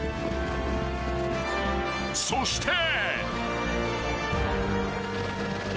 ［そして］